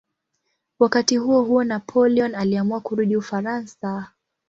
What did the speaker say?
Wakati huohuo Napoleon aliamua kurudi Ufaransa.